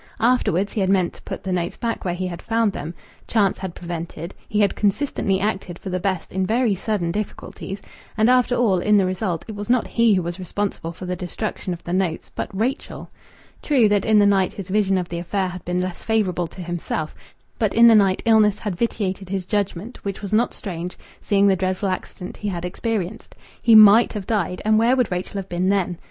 Afterwards he had meant to put the notes back where he had found them; chance had prevented; he had consistently acted for the best in very sudden difficulties, and after all, in the result, it was not he who was responsible for the destruction of the notes, but Rachel.... True, that in the night his vision of the affair had been less favourable to himself, but in the night illness had vitiated his judgment, which was not strange, seeing the dreadful accident he had experienced.... He might have died, and where would Rachel have been then?...